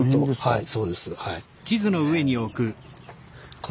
はい。